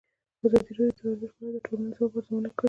ازادي راډیو د ورزش په اړه د ټولنې د ځواب ارزونه کړې.